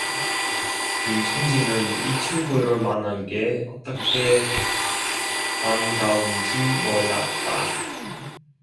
김첨지는 이 친구를 만난 게 어떻게 반가운지 몰랐다.